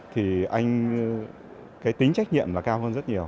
thì tính trách nhiệm là cao hơn rất nhiều